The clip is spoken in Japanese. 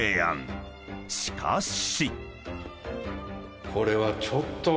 ［しかし］